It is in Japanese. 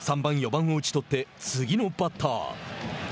３番、４番を打ち取って次のバッター。